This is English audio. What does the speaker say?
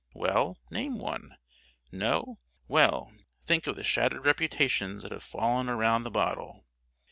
Well, name one. No? Well, think of the shattered reputations that have fallen around the bottle.